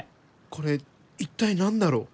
これ一体何だろう？